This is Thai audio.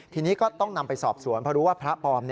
ทีนี้ก็ต้องนำไปสอบสวนเพราะรู้ว่าพระปลอม